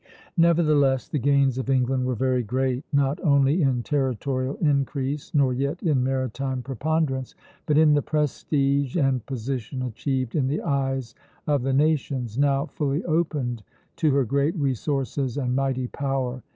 Nevertheless, the gains of England were very great, not only in territorial increase, nor yet in maritime preponderance, but in the prestige and position achieved in the eyes of the nations, now fully opened to her great resources and mighty power.